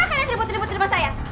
kenapa kalian ribut ribut terima saya